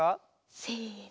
せの。